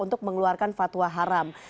untuk mengeluarkan fatwa haram